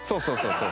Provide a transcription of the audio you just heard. そう。